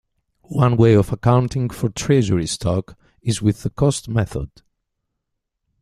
One way of accounting for treasury stock is with the cost method.